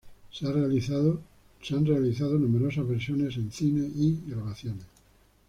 Se han realizado numerosas versiones en cine y grabaciones.